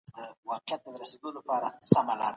فابریکې څنګه د تولید کیفیت ښه کوي؟